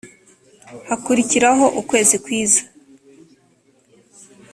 hakurikiraho ukwezi kwiza